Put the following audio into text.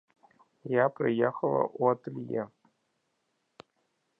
Я прыехала ў атэлье.